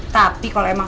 tapi kalau emang